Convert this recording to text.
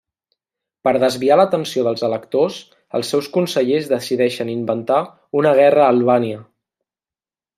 Per desviar l'atenció dels electors, els seus consellers decideixen inventar una guerra a Albània.